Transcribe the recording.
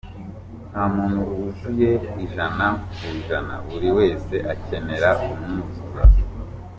Nta muntu wuzuye ijana ku ijana, buri wese akenera umwuzuza